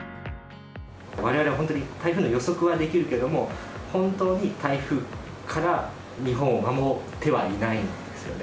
われわれは本当に、台風の予測はできるけれども、本当に台風から日本を守ってはいないんですよね。